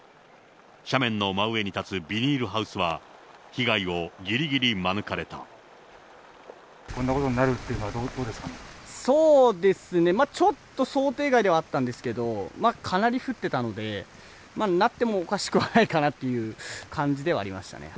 斜面の真上に立つビニールハウスは、こんなことになるっていうのそうですね、ちょっと想定外ではあったんですけど、かなり降ってたので、なってもおかしくはないかなという感じではありましたね。